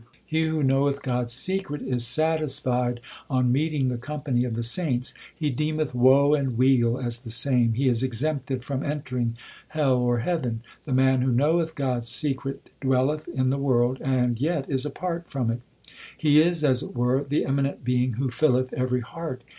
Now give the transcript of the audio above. He who knoweth God s secret Is satisfied on meeting the company of the saints ; He deemeth woe and weal as the same ; He is exempted from entering hell or heaven : The man who knoweth God s secret dwelleth in the world, and yet is apart from it ; igo THE SIKH RELIGION He is, as it were, the eminent being who filleth every heart.